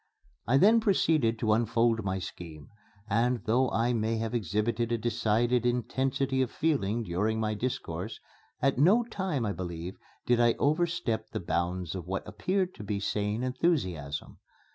I then proceeded to unfold my scheme; and, though I may have exhibited a decided intensity of feeling during my discourse, at no time, I believe, did I overstep the bounds of what appeared to be sane enthusiasm.